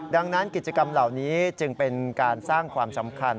ดังนั้นกิจกรรมเหล่านี้จึงเป็นการสร้างความสำคัญ